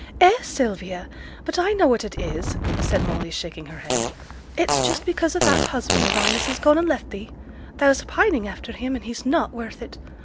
'Eh! Sylvia! but I know what it is,' said Molly, shaking her head. 'It's just because o' that husband o' thine as has gone and left thee; thou's pining after him, and he's not worth it.